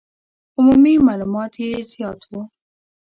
عمومي معلومات یې زیات وو.